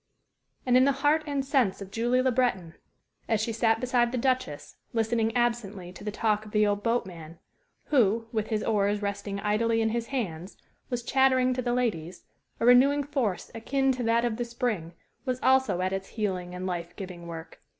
And in the heart and sense of Julie Le Breton, as she sat beside the Duchess, listening absently to the talk of the old boatman, who, with his oars resting idly in his hands, was chattering to the ladies, a renewing force akin to that of the spring was also at its healing and life giving work.